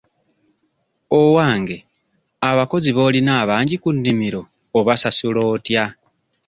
Owange abakozi b'olina abangi ku nnimiro obasasula otya?